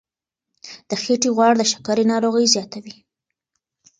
د خېټې غوړ د شکرې ناروغي زیاتوي.